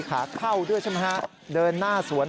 คุณภูริพัฒน์บุญนิน